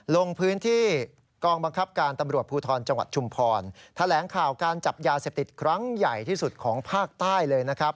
ลงพื้นที่กองบังคับการตำรวจภูทรจังหวัดชุมพรแถลงข่าวการจับยาเสพติดครั้งใหญ่ที่สุดของภาคใต้เลยนะครับ